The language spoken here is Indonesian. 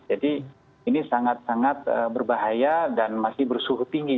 jadi ini sangat sangat berbahaya dan masih bersuhu tinggi